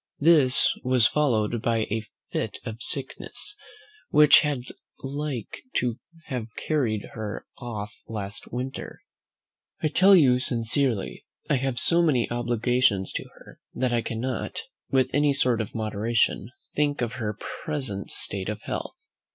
This was followed by a fit of sickness, which had like to have carried her off last winter. I tell you sincerely, I have so many obligations to her, that I cannot, with any sort of moderation, think of her present state of health.